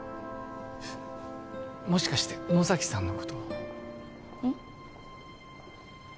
もしかして野崎さんのことをん？